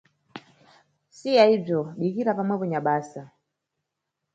Siya ibzo dikira pamwepo nyabasa.